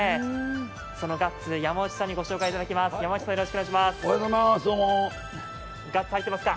そのガッツ、山内さんにご紹介いただきます。